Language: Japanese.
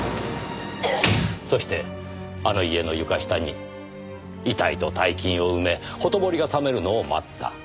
そしてあの家の床下に遺体と大金を埋めほとぼりが冷めるのを待った。